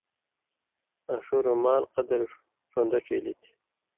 آں ݜُو رُومال قدر ݜُون٘دہ ڇیلی تھی۔